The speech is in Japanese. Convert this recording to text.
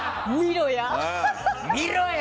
見ろや！